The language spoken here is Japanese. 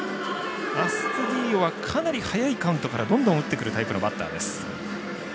アストゥディーヨはかなり早いカウントからどんどん打ってくるタイプのバッターです。